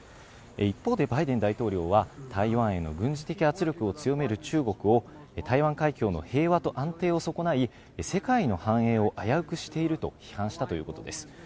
一方でバイデン大統領は台湾への軍事的圧力を強める中国を台湾海峡の平和と安定を損ない世界の繁栄を危うくしていると批判したということです。